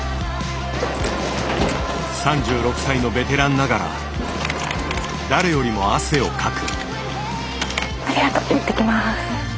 ３６歳のベテランながら誰よりも汗をかく。